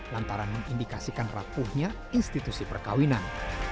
lantaran mengindikasikan rapuhnya institusi perkawinan